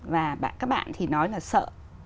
và các bạn thì nói là sợ